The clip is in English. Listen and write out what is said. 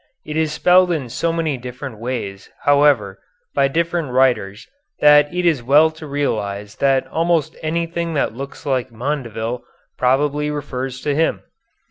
It is spelled in so many different ways, however, by different writers that it is well to realize that almost anything that looks like Mondeville probably refers to him.